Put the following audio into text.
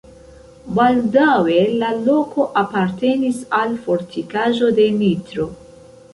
Baldaŭe la loko apartenis al fortikaĵo de Nitro.